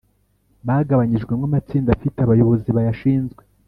bagabanyijwemo amatsinda afite abayobozi bayashinzwe.